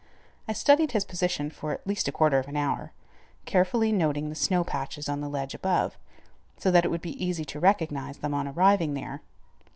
I studied his position for at least a quarter of an hour, carefully noting the snow patches on the ledge above, so that it would be easy to recognize them on arriving there.